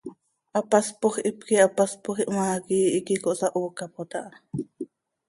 Hapaspoj hipquih hapaspoj ihmaa quih iiqui cohsahoocapot aha.